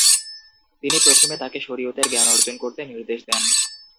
তিনি প্রথমে তাকে শরিয়তের জ্ঞান অর্জন করতে নির্দেশ দেন।